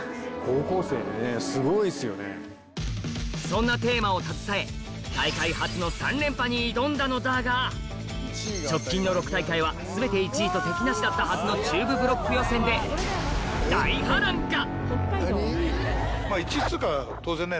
そんなテーマを携え挑んだのだが直近の６大会は全て１位と敵なしだったはずの中部ブロック予選で大波乱が！